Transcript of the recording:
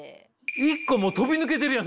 １個飛び抜けてるやん